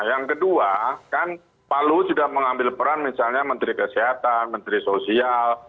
yang kedua kan pak luhut sudah mengambil peran misalnya menteri kesehatan menteri sosial